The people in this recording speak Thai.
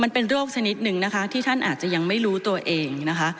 เป็นโรคชนิดนึงที่ท่านอาจจะยังไม่รู้ตัวเอง